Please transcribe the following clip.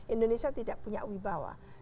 indonesia tidak punya ui bawah